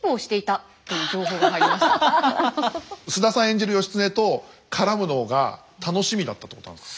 演じる義経と絡むのが楽しみだったってことなんですか？